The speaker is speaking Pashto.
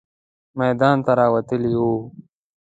میدان ته راوتلې وه.